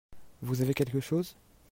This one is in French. Vous avez quleque chose ?